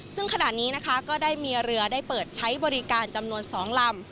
ซึ่งขณะนี้นะคะก็ได้มีเรือได้เปิดใช้บริการจำนวน๒ลำ